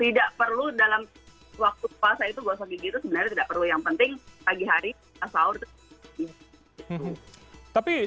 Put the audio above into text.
tidak perlu dalam waktu puasa itu gosok gigi itu sebenarnya tidak perlu